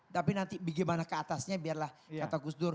tapi nanti bagaimana keatasnya biarlah kata gus dur